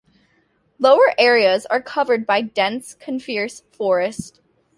Lower areas are covered by dense coniferous forest.